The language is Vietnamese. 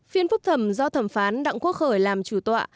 phiên phúc thẩm do thẩm phán đặng quốc khởi làm chủ tọa